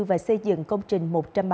và xây dựng công trình một trăm ba mươi